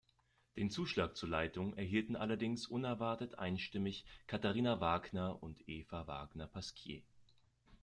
Den Zuschlag zur Leitung erhielten allerdings unerwartet einstimmig Katharina Wagner und Eva Wagner-Pasquier.